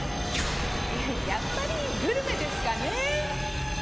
やっぱりグルメですかね。